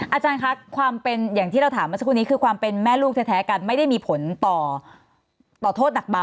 อาจารย์คะอย่างที่เราถามมาเจ้าคนนี้คือความเป็นแม่ลูกแท้กันไม่ได้มีผลต่อโทษดักเบา